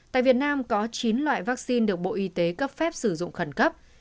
tại việt nam có chín loại vaccine được bộ y tế cấp phép sử dụng khẩn cấp